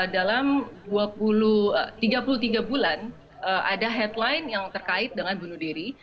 dalam tiga puluh tiga bulan ada headline yang terkait dengan bunuh diri